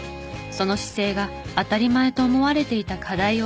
その姿勢が当たり前と思われていた課題を解決したのです。